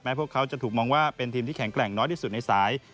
พวกเขาจะถูกมองว่าเป็นทีมที่แข็งแกร่งน้อยที่สุดในสาย